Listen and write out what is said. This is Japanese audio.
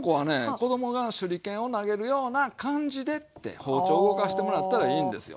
子供が手裏剣を投げるような感じでって包丁を動かしてもらったらいいんですよ。